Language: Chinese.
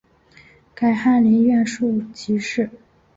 改翰林院庶吉士。